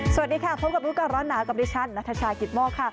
สวัสดีค่ะพบกับลูกการณ์ร้อนหนากับดิฉันนาธิชาย์กิตมกค่ะ